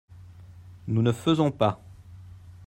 Nous ne faisons pas.